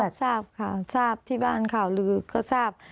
ทราบค่ะทราบที่บ้านข่าวลือก็ทราบ